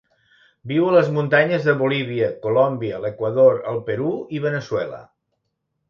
Viu a les muntanyes de Bolívia, Colòmbia, l'Equador, el Perú i Veneçuela.